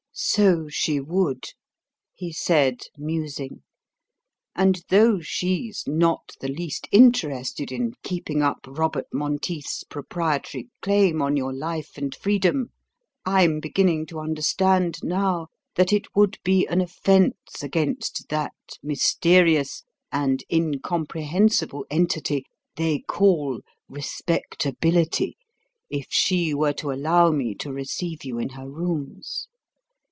"So she would," he said, musing. "And though she's not the least interested in keeping up Robert Monteith's proprietary claim on your life and freedom, I'm beginning to understand now that it would be an offence against that mysterious and incomprehensible entity they call RESPECTABILITY if she were to allow me to receive you in her rooms.